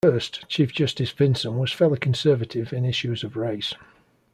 First, Chief Justice Vinson was fairly conservative in issues of race.